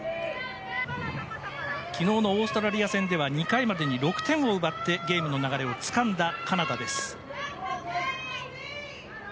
昨日のオーストラリア戦では２回までに６点を奪ってゲームの流れをつかんだカナダです。